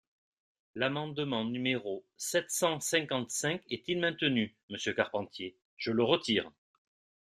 L’amendement numéro sept cent cinquante-cinq est-il maintenu, monsieur Carpentier ? Je le retire.